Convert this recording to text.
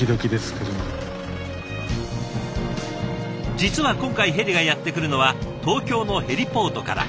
実は今回ヘリがやって来るのは東京のヘリポートから。